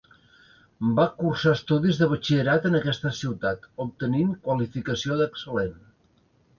Va cursar estudis de batxillerat en aquesta ciutat, obtenint qualificació d'excel·lent.